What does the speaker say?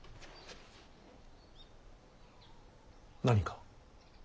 何か？